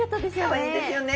かわいいですよね。